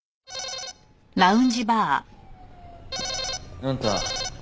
あんた